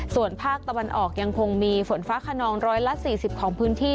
ส่วนภาคตะวันออกยังคงมีฝนฟ้าขนองร้อยละ๔๐ของพื้นที่